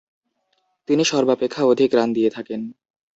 তিনি সর্বাপেক্ষা অধিক রান দিয়ে থাকেন।